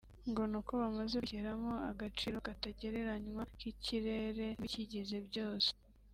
ngo ni uko bamaze kwishyiramo agaciro katagereranywa k’ikirere n’ibikigize byose